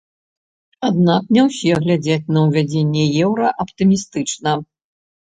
Аднак не ўсе глядзяць на ўвядзенне еўра аптымістычна.